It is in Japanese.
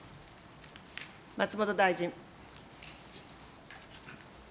松本大臣。